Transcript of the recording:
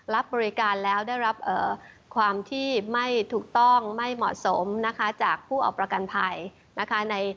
รับบริการแล้วได้รับความที่ไม่ถูกต้องไม่เหมาะสมนะคะจากผู้เอาประกันภัยนะคะ